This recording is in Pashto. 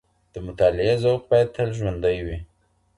د مطالعې ذوق بايد تل ژوندی وي.